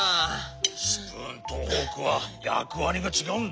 スプーンとフォークはやくわりがちがうんだ。